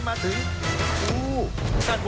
สวัสดีครับ